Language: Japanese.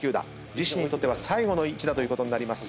自身にとって最後の１打ということになります。